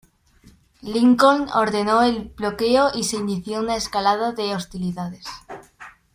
Lincoln ordenó el bloqueo y se inició una escalada de hostilidades.